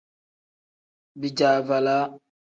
Bijaavalaa.